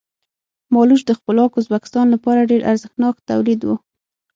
مالوچ د خپلواک ازبکستان لپاره ډېر ارزښتناک تولید و.